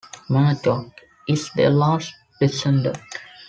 Madoc is their last descendant.